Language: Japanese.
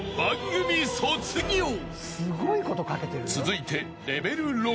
［続いて］